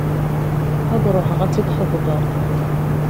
Ad ruḥeɣ ad tt-id-xeḍbeɣ.